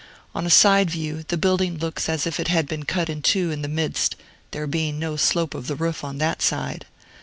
On a side view, the building looks as if it had been cut in two in the midst, there being no slope of the roof on that side.